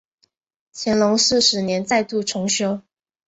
乾隆四十年再度重修。